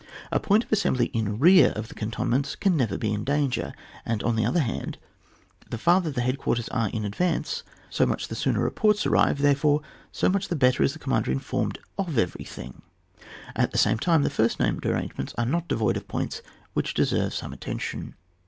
A point of assembly in rear of the can tonments can never be in danger. And, on the other hand, the farther the head quarters are in advance, so much the sooner reports arrive, therefore so much the better is the commander informed of everything. At the same time, the first named arrangements are not devoid of points which deserve some attention.